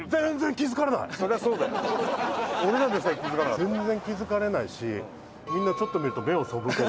全然気付かれないしみんなちょっと見ると目を背ける。